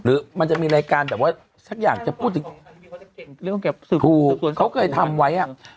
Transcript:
หรือมันจะมีรายการแต่ว่าสักอย่างจะพูดถึงเขาเคยทำไว้อ่ะ